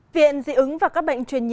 viện di ứng và các bệnh truyền nhiệm